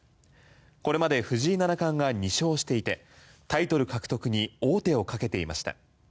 これまで藤井七冠が２勝していてタイトル獲得に王手をかけていました。